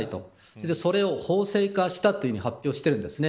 そして、それを法制化したと発表しているんです。